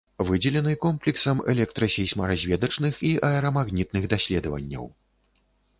Выдзелены комплексам электра-, сейсмаразведачных і аэрамагнітных даследаванняў.